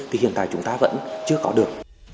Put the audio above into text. thì hiện tại chúng ta vẫn chưa có được